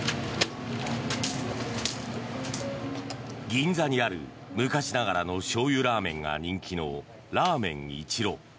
銀座にある、昔ながらのしょうゆラーメンが人気のらーめん一郎。